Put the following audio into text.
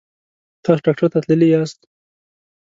تاسو ډاکټر ته تللي یاست؟